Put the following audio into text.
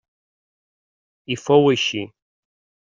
I fou així.